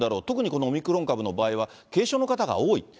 特にこのオミクロン株の場合は、軽症の方が多い。